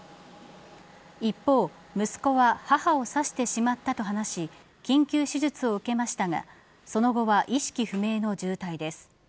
一方、息子は母を刺してしまったと話し緊急手術を受けましたがその後は意識不明の重体です。